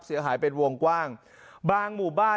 เสียหายเป็นวงกว้างบางหมู่บ้าน